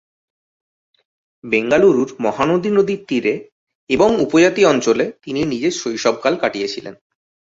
বেঙ্গালুরুর মহানদী নদীর তীরে এবং উপজাতি অঞ্চলে তিনি নিজের শৈশবকাল কাটিয়েছিলেন।